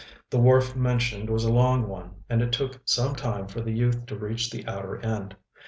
The wharf mentioned was a long one, and it took some time for the youth to reach the outer end.